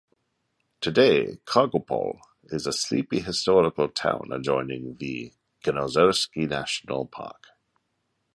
Today, Kargopol is a sleepy historical town adjoining the Kenozersky National Park.